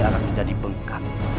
akan menjadi bengkak